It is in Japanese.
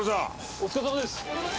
お疲れさまです。